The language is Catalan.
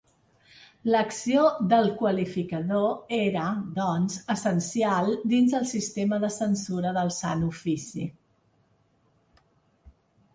L'acció del qualificador era, doncs, essencial dins el sistema de censura del Sant Ofici.